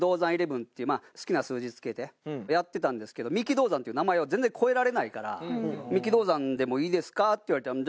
１１っていうまあ好きな数字付けてやってたんですけど三木道三っていう名前は全然超えられないから「三木道三でもいいですか？」って言われたので「